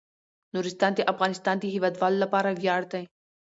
نورستان د افغانستان د هیوادوالو لپاره ویاړ دی.